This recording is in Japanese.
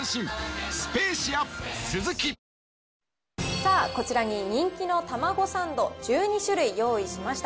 さあ、こちらに人気のたまごサンド１２種類、用意しました。